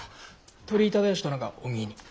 ・鳥居忠吉殿がお見えに。